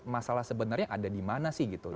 masalah sebenarnya ada di mana sih gitu